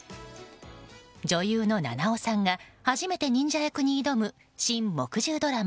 女優の菜々緒さんが初めて忍者役に挑む新木１０ドラマ